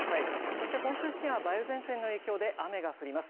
そして本州付近は梅雨前線の影響で雨が降ります